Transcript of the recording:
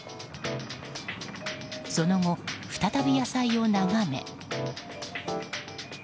その後、再び野菜を眺め。